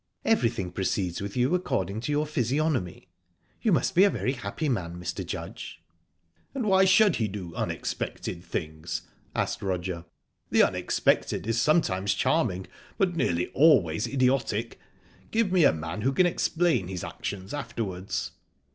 Everything proceeds with you according to your physiognomy? You must be a very happy man, Mr. Judge." "And why should he do unexpected things?" asked Roger. "The unexpected is sometimes charming, but nearly always idiotic. Give me a man who can explain his actions afterwards."